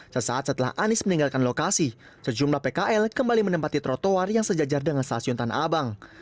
sesaat setelah anies meninggalkan lokasi sejumlah pkl kembali menempati trotoar yang sejajar dengan stasiun tanah abang